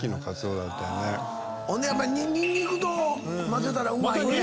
ほんでニンニクと交ぜたらうまいね。